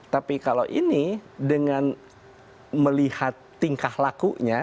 tapi kalau ini dengan melihat tingkah lakunya